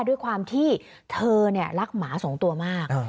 ด้วยความที่เธอเนี่ยรักหมา๒ตัวมาก